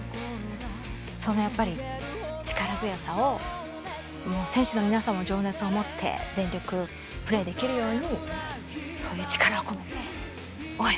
そのやっぱり力強さを選手の皆さんも情熱を持って全力プレーできるようにそういう力を込めて応援する。